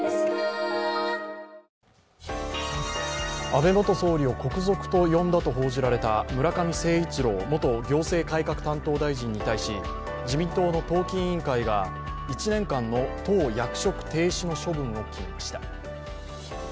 安倍元総理を国賊と呼んだと報じられた村上誠一郎元行政改革担当大臣に対し、自民党の党紀委員会が、１年間の党役職停止の処分を決めました。